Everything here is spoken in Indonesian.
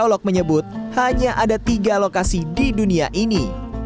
aolog menyebut hanya ada tiga lokasi di dunia ini